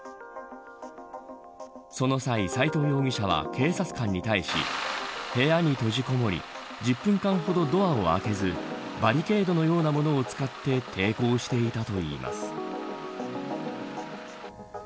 その際、斎藤容疑者は警察官に対し部屋に閉じこもり１０分間ほどドアを開けずバリケードのようなものを使って抵抗していたといいます。